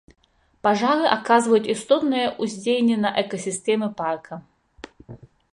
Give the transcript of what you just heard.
Пажары аказваюць істотнае ўздзеянне на экасістэмы парка.